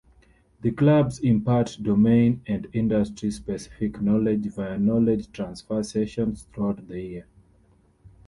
The clubs impart domain and industry-specific knowledge via Knowledge Transfer Sessions throughout the year.